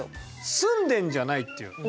住んでんじゃないっていう。